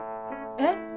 えっ！